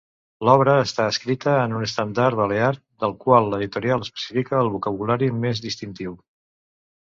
L'obra està escrita en un estàndard balear del qual l'editorial especifica el vocabulari més distintiu.